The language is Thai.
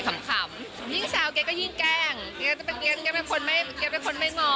ขำอย่างแซวเก๊กก็ยิ่งแกล้งเก๊กเป็นคนไม่ง้อมแล้วอะไรอย่างเงี้ย